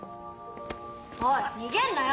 おい逃げんなよ！